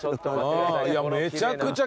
めちゃくちゃ奇麗。